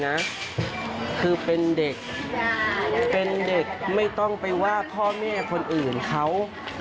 คือเป็นเด็กเป็นเด็กไม่ต้องไปว่าพ่อแม่คนอื่นเขา